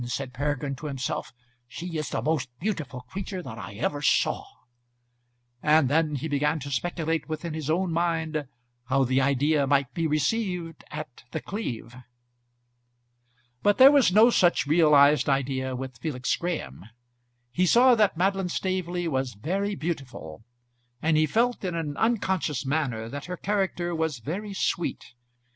said Peregrine to himself, "she is the most beautiful creature that I ever saw;" and then he began to speculate within his own mind how the idea might be received at The Cleeve. But there was no such realised idea with Felix Graham. He saw that Madeline Staveley was very beautiful, and he felt in an unconscious manner that her character was very sweet.